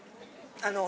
あの。